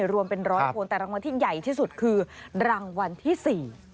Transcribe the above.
รวมเป็นร้อยคนแต่รางวัลที่ใหญ่ที่สุดคือรางวัลที่๔